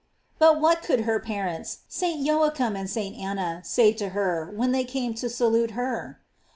But what could her parents, St. Joachim and St. Anna, say to her, when they came to salute her?